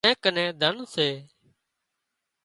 اين ڪنين ڌنَ سي